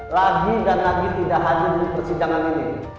lagi dan lagi tidak hadir di persidangan ini